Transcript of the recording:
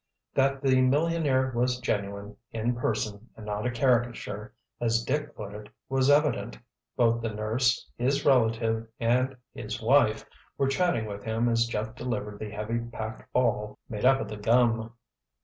That the millionaire was genuine, "in person and not a caricature," as Dick put it, was evident. Both the nurse, his relative, and his wife, were chatting with him as Jeff delivered the heavy packed ball made up of the gum.